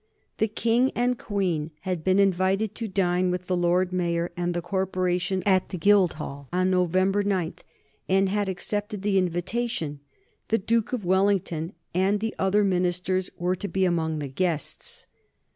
The King and Queen had been invited to dine with the Lord Mayor and the Corporation at the Guildhall on November 9, and had accepted the invitation. The Duke of Wellington and the other ministers were to be among the guests.